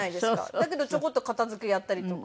だけどちょこっと片付けやったりとか。